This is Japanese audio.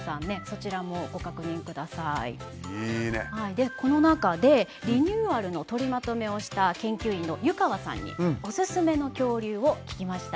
でこの中でリニューアルの取りまとめをした研究員の湯川さんにオススメの恐竜を聞きました。